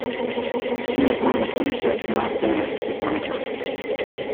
She was one of the few ships not damaged at Dunkirk.